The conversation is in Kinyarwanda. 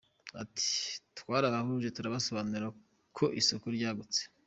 Ati “Twarabahuje tubasobanurira ko isoko ryagutse.